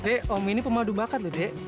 eh om ini pemadu bakat deh